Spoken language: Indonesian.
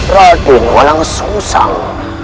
raden walang susang